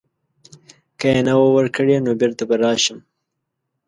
که یې نه وه ورکړې نو بیرته به راشم.